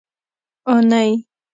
اونۍ